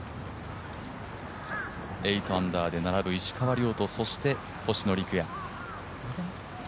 ８アンダーで並ぶ石川遼と星野陸也。